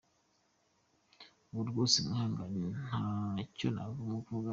Ubu rwose mwihangane nta cyo namuvugaho.